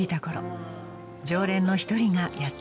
常連の一人がやって来ました］